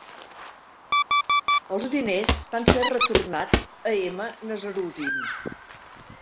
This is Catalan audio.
Els diners van ser retornats a M. Nazaruddin.